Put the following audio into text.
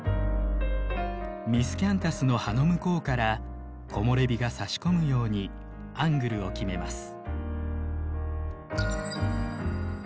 ミスキャンタスの葉の向こうから木漏れ日がさし込むようにアングルを決めます。